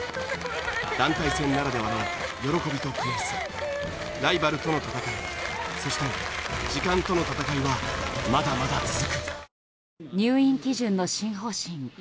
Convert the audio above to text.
団体戦ならではの喜びと悔しさライバルとの戦いそして時間との戦いはまだまだ続く。